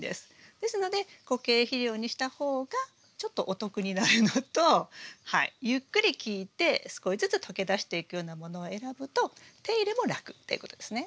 ですので固形肥料にした方がちょっとお得になるのとゆっくり効いて少しずつ溶け出していくようなものを選ぶと手入れも楽っていうことですね。